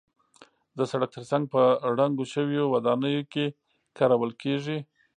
د سړک تر څنګ په ړنګو شویو ودانیو کې کارول کېږي.